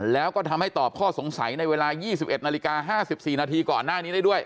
แล้วก็ทำให้ตอบข้อสงสัยในเวลา๒๑นาฬิกา๕๔นาทีก่อนหน้านี้ได้ด้วย